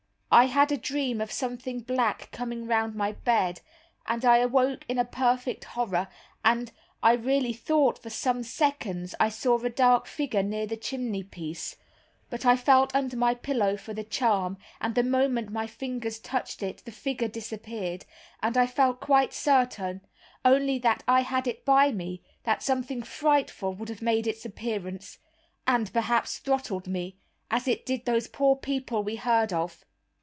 I had a dream of something black coming round my bed, and I awoke in a perfect horror, and I really thought, for some seconds, I saw a dark figure near the chimneypiece, but I felt under my pillow for my charm, and the moment my fingers touched it, the figure disappeared, and I felt quite certain, only that I had it by me, that something frightful would have made its appearance, and, perhaps, throttled me, as it did those poor people we heard of.